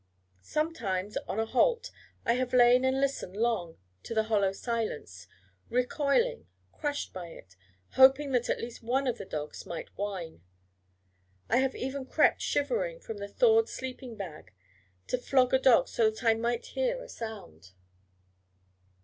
Sometimes on a halt I have lain and listened long to the hollow silence, recoiling, crushed by it, hoping that at least one of the dogs might whine. I have even crept shivering from the thawed sleeping bag to flog a dog, so that I might hear a sound.